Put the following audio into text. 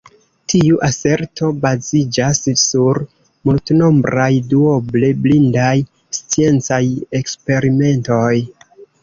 Tiu aserto baziĝas sur multnombraj, duoble blindaj sciencaj eksperimentoj.